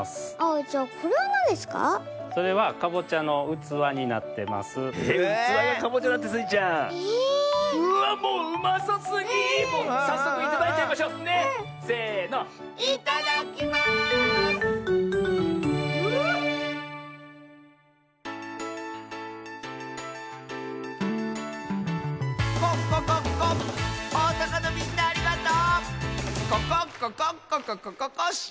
おおさかのみんなありがとう！